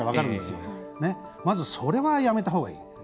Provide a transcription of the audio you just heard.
まず、それはやめたほうがいい。